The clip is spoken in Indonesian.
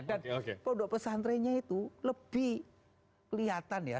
dan pondok pesantrennya itu lebih kelihatan ya